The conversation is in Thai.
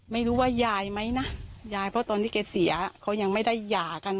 ไม่รู้ว่ายายไหมนะยายเพราะตอนที่แกเสียเขายังไม่ได้หย่ากัน